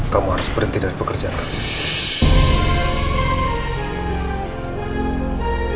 kamu harus berhenti dari pekerjaan kamu